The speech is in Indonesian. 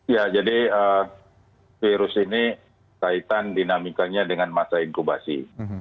ya jadi virus ini kaitan dinamikanya dengan masa inkubasi